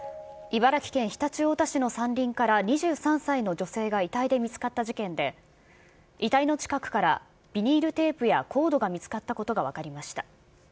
茨城県常陸太田市の山林から２３歳の女性が遺体で見つかった事件で、遺体の近くからビニールテープやコードが見つかったことが分かりました。